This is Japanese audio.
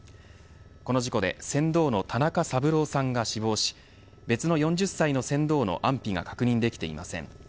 この事故で船頭の田中三郎さんが死亡し別の４０歳の船頭の安否が確認できていません。